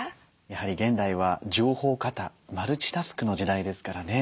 やはり現代は情報過多マルチタスクの時代ですからね。